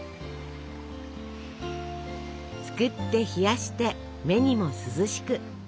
作って冷やして目にも涼しく。